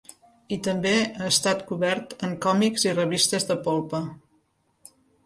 I també ha estat cobert en còmics i revistes de polpa.